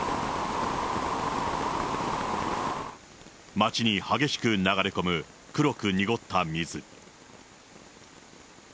街に激しく流れ込む黒く濁った水。